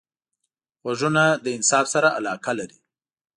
غوږونه له انصاف سره علاقه لري